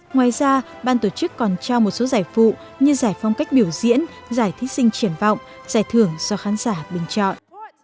ngoài ra ban tổ chức còn trao một số giải phụ như giải phong cách biểu diễn giải thí sinh triển vọng giải thưởng do khán giả bình chọn